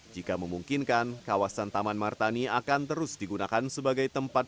jika memungkinkan kawasan taman martani akan terus digunakan sebagai tempat